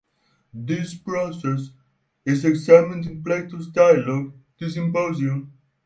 This process is examined in Plato's dialogue the "Symposium".